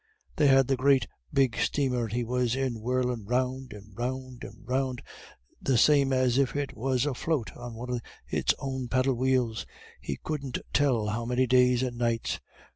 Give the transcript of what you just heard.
They had the great big stamer he was in whirlin' round and round and round, the same as if it was a float on one of its own paddlewheels, he couldn't tell how many days and nights.